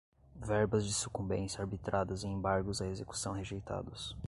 verbas de sucumbência arbitradas em embargos à execução rejeitados